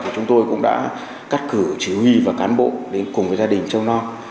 chúng tôi cũng đã cắt cử chỉ huy và cán bộ đến cùng với gia đình châu non